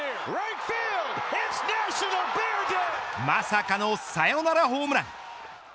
まさかのサヨナラホームラン。